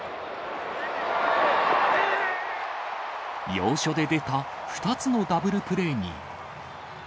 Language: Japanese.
要所で出た２つのダブルプレーに。